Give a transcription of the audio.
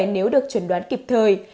nếu được chuẩn đoán kịp thời